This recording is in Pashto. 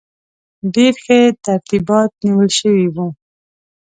ډېر ښه ترتیبات نیول شوي وو.